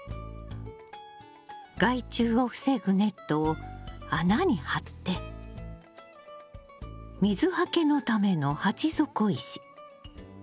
害虫を防ぐネットを穴に貼って水はけのための鉢底石。